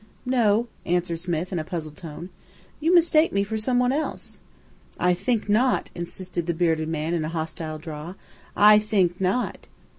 "No," answered "Smith," in a puzzled tone. "You mistake me for someone else." "I think not," insisted the bearded man, in a hostile drawl. "I think not!"